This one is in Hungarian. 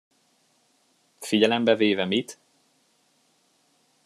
Figyelembe véve mit?